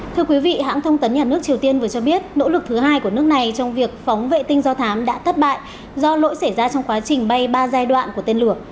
thưa quý vị hãng thông tấn nhà nước triều tiên vừa cho biết nỗ lực thứ hai của nước này trong việc phóng vệ tinh do thám đã thất bại do lỗi xảy ra trong quá trình bay ba giai đoạn của tên lửa